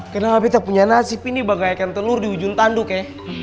kenapa kita punya nasib ini banggakan telur di ujung tanduk ya